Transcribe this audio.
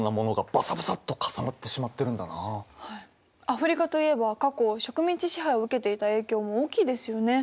アフリカといえば過去植民地支配を受けていた影響も大きいですよね。